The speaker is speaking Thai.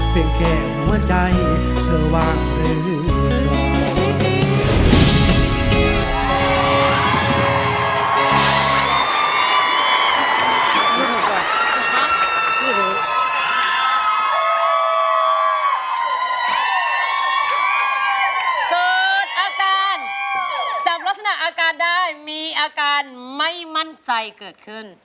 เพียงแค่หัวใจเธอว่างหรือ